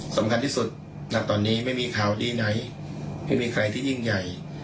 สำคัญที่สุดณตอนนี้ไม่มีข่าวดีไหนไม่มีใครที่ยิ่งใหญ่